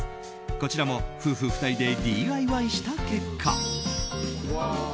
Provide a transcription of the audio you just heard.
こちらも夫婦２人でＤＩＹした結果。